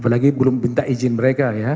apalagi belum minta izin mereka ya